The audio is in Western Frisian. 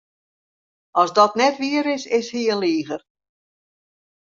As dat net wier is, is hy in liger.